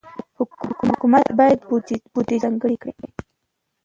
حکومت باید بودجه ځانګړې کړي.